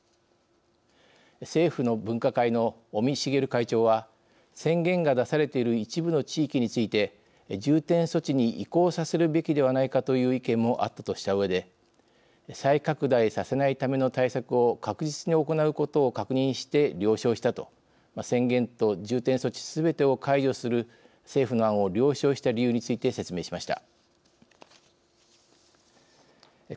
政府の分科会の尾身茂会長は宣言が出されている一部の地域について重点措置に移行させるべきではないかという意見もあったとしたうえで「再拡大させないための対策を確実に行うことを確認して了承した」と宣言とする政府の措置すべてを解除する政府の案を了承した理由について説明しました。